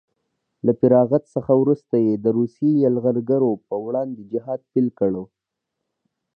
له فراغت څخه وروسته یې د روسیې یرغلګرو په وړاندې جهاد پیل کړ